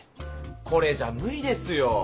これじゃむりですよ。